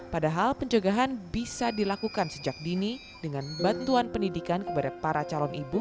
padahal penjagaan bisa dilakukan sejak dini dengan bantuan pendidikan kepada para calon ibu